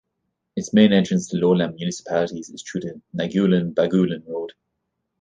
Its main entrance to lowland municipalities is through the Naguilian-Bagulin Road.